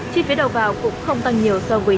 chiếc phía đầu vào cũng không tăng nhiều so với năm ngoái